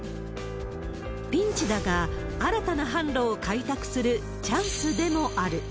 ピンチだが、新たな販路を開拓するチャンスでもある。